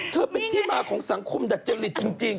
เธอเป็นที่มาของสังคมดัจจริตจริง